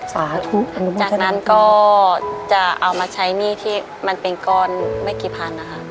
สาธุจากนั้นก็จะเอามาใช้หนี้ที่มันเป็นก้อนไม่กี่พันนะคะ